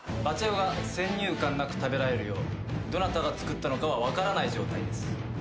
男が先入観なく食べられるようどなたが作ったのかは分からない状態です。